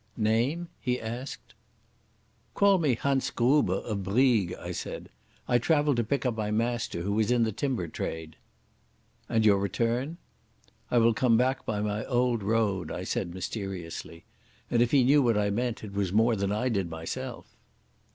"Name?" he asked. "Call me Hans Gruber of Brieg," I said. "I travel to pick up my master, who is in the timber trade." "And your return?" "I will come back by my old road," I said mysteriously; and if he knew what I meant it was more than I did myself.